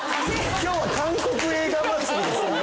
今日は韓国映画祭りですね。